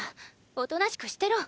おとなしくしてろ！